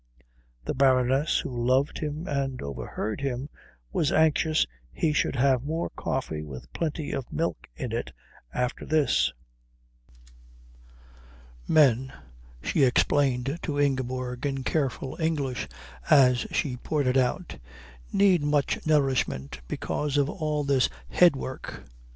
The Baroness, who loved him and overheard him, was anxious he should have more coffee with plenty of milk in it after this. "Men," she explained to Ingeborg in careful English as she poured it out, "need much nourishment because of all this head work."